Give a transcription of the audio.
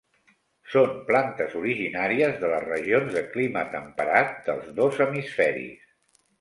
Són plantes originàries de les regions de clima temperat dels dos hemisferis.